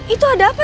itu ada apa